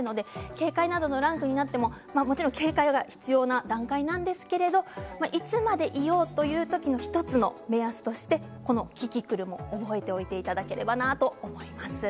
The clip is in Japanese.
警戒などのランクになってももちろん警戒が必要な段階なんですけれどいつまでいようという時に１つの目安としてキキクルも覚えておいていただければと思います。